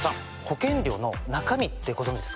保険料の中身ってご存じですか？